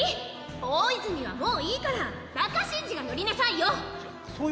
大泉はもういいからバカシンジが乗りなさいよ！